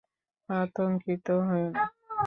আতংকিত হয়ো না।